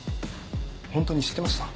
ホントに知ってました？